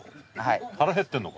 腹へってるのか？